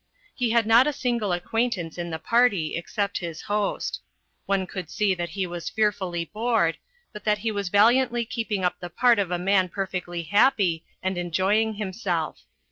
He had not a single acquaintance in the party except his host. One could see that he was fearfully bored, but that he was valiantly keep ing up the part of a man perfectly happy and enjoying himself.